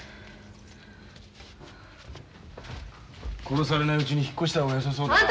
殺されないうちに引っ越した方がよさそうだな。